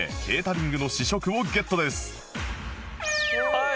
はい。